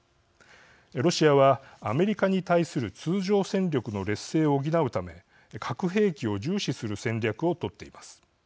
ロシアは、アメリカに対する通常戦力の劣勢を補うため核兵器を重視する戦略を取っています。